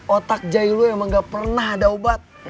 otak jahil lo emang gak pernah ada obat